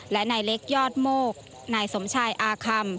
และนายเล็กยอดโมกนายสมชายอาคัม